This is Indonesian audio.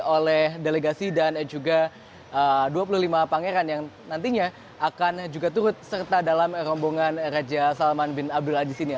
oleh delegasi dan juga dua puluh lima pangeran yang nantinya akan juga turut serta dalam rombongan raja salman bin abdul aziz ini